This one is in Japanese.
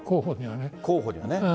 候補には。